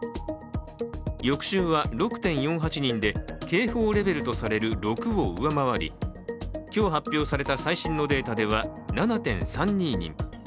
翌週は６．４８人で警報レベルとされる６を上回り、今日発表された最新のデータでは７．３２人。